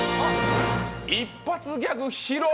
一発ギャグ披露。